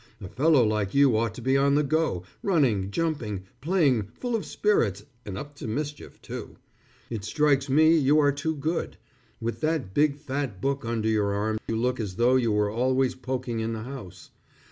A fellow like you ought to be on the go, running, jumping, playing, full of spirits, and up to mischief, too. It strikes me you are too good. With that big fat book under your arm you look as though you were always poking in the house.